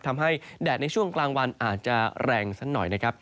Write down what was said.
แดดในช่วงกลางวันอาจจะแรงสักหน่อยนะครับ